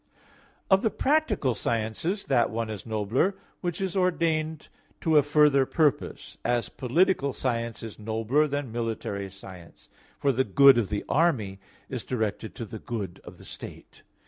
Of the practical sciences, that one is nobler which is ordained to a further purpose, as political science is nobler than military science; for the good of the army is directed to the good of the State.